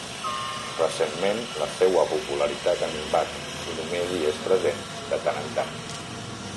Recentment, la seua popularitat ha minvat i només hi és present de tant en tant.